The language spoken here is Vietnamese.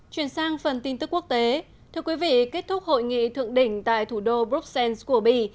thưa quý vị kết thúc hội nghị thượng đỉnh tại thủ đô bruxelles của mỹ